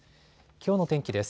きょうの天気です。